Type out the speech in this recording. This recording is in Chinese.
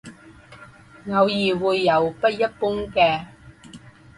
偶尔会有不一般的。